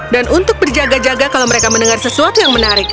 dan untuk berjaga jaga kalau mereka mendengar sesuatu yang menarik